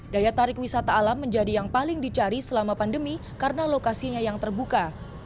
daya tarik wisata alam menjadi yang paling dicari selama pandemi karena lokasinya yang terbuka